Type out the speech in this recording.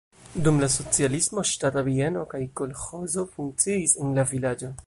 Dum la socialismo ŝtata bieno kaj kolĥozo funkciis en la vilaĝo.